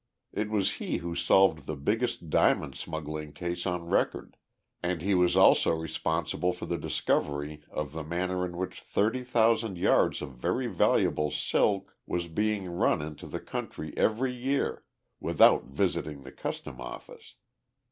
It was he who solved the biggest diamond smuggling case on record, and he was also responsible for the discovery of the manner in which thirty thousand yards of very valuable silk was being run into the country every year without visiting the custom office.